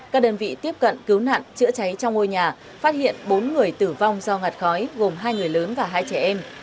các đơn vị tiếp cận cứu nạn chữa cháy trong ngôi nhà phát hiện bốn người tử vong do ngặt khói gồm hai người lớn và hai trẻ em